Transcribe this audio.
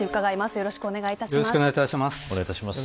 よろしくお願いします。